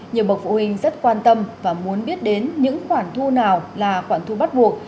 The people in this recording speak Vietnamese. nhiều bậc phụ huynh rất quan tâm và muốn biết đến những khoản thu nào là khoản thu bắt buộc